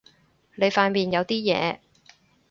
你塊面有啲嘢